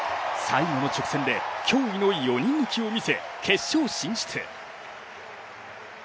最後の直線で驚異の４人抜きを見せ、決勝進出。